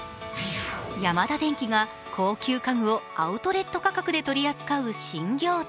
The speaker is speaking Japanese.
ヤマダ電機が高級家具をアウトレット価格で取り扱う新業態。